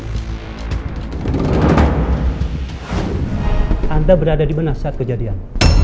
anda berada dimana saat kejadian